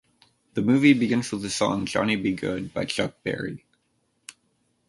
The movie begins with the song Johnny B. Goode by Chuck Berry.